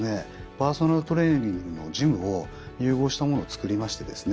パーソナルトレーニングのジムを融合したものをつくりましてですね